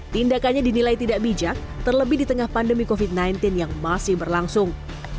tindakannya dinilai tidak bijak terlebih di tengah pandemi covid sembilan belas yang masih berlangsung